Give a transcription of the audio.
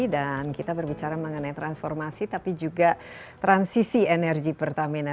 dan kita berbicara mengenai transformasi tapi juga transisi energi pertamina